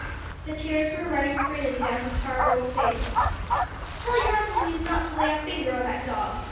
The tears were running freely down his hard, old face. "Tell your uncle he is not to lay a finger on that dog!"